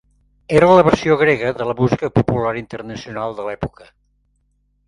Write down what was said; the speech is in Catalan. Era la versió grega de la música popular internacional de l'època.